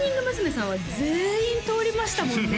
さんは全員通りましたもんね